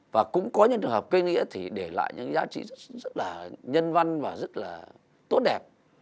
và cũng có những trường hợp cây nghĩa thì để lại những giá trị rất là nhân văn và rất là tốt đẹp